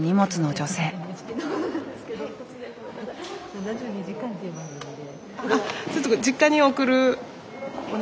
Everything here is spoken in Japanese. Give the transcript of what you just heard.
「７２時間」っていう番組で。